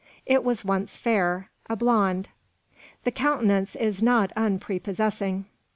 It was once fair: a blonde. The countenance is not unprepossessing.